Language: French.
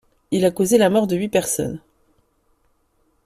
Il a causé la mort de huit personnes.